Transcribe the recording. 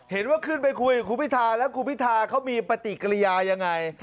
เห็นว่าขึ้นไปคุยกับคุณพิธาแล้วคุณพิธาเขามีปฏิกิริยายังไง